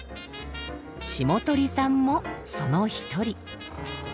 霜鳥さんもその一人。